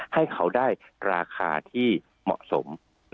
ให้เขาได้ราคาที่เหมาะสม